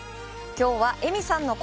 きょうはエミさんの声。